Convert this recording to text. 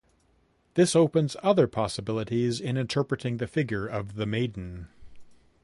This opens other possibilities in interpreting the figure of the maiden.